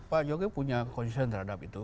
pak jokowi punya konsisten terhadap itu